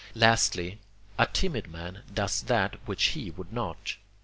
Lastly, a timid man does that which he would not.